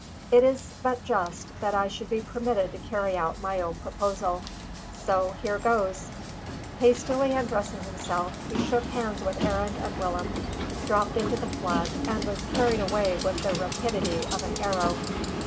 "It is but just that I should be permitted to carry out my own proposal. So here goes!" Hastily undressing himself, he shook hands with Arend and Willem, dropped into the flood, and was away with the rapidity of an arrow.